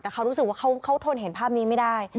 แต่เขารู้สึกว่าเขาทนเห็นภาพนี้ไม่ได้